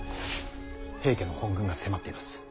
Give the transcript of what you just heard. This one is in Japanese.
平家の本軍が迫っています。